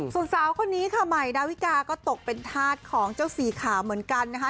ส่วนสาวคนนี้ค่ะใหม่ดาวิกาก็ตกเป็นธาตุของเจ้าสีขาวเหมือนกันนะคะ